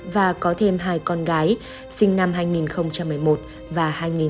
và có thêm hai con gái sinh năm hai nghìn một mươi một và hai nghìn một mươi